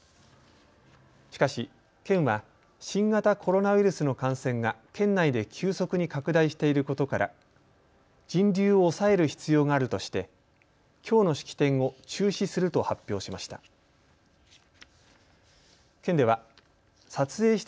しかし、県は新型コロナウイルスの感染が県内で急速に拡大していることから人流を抑える必要があるとして、きょうの式典を中止すると発表しました。